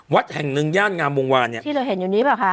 วัดแห่งหนึ่งย่านงามวงวานเนี่ยที่เราเห็นอยู่นี้เปล่าคะ